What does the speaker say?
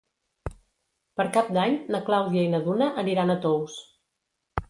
Per Cap d'Any na Clàudia i na Duna aniran a Tous.